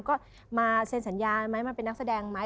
ก็มาเซ็นสัญญาไหมมาเป็นนักแสดงไหม